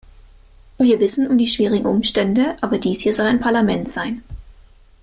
Wir wissen um die schwierigen Umstände, aber dies hier soll ein Parlament sein.